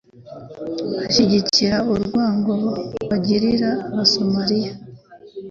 bashyigikira urwango bagirira abasamaliya.